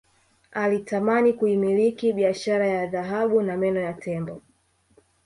Alitamani kuimiliki biashara ya dhahabu na meno ya tembo